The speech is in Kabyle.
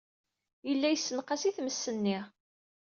Yella yessenqas-as i tmes-nni.